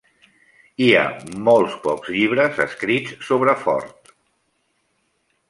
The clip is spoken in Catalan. Hi ha molt pocs llibres escrits sobre Fort.